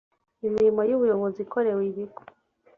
imirimo y uburezi ikorewe ibigo